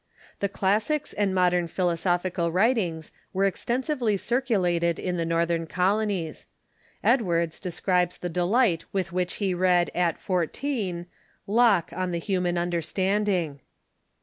The classics and modern philosophical writings were exten sively circulated in the Northern Colonies. Edwards describes the delight with which he read at fourteen "Locke on the Human Understanding."